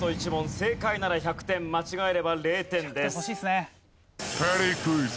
正解なら１００点間違えれば０点です。